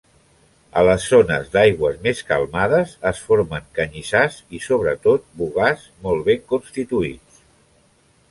A les zones d'aigües més calmades es formen canyissars i sobretot bogars, molt ben constituïts.